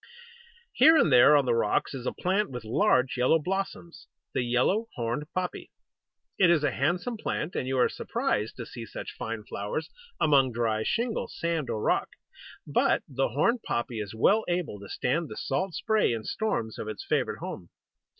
Here and there on the rocks is a plant with large yellow blossoms the Yellow Horned Poppy. It is a handsome plant, and you are surprised to see such fine flowers among dry shingle, sand, or rock; but the Horned Poppy is well able to stand the salt spray and storms of its favourite home.